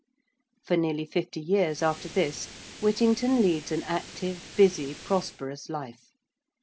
For nearly fifty years after this Whittington leads an active, busy, prosperous life.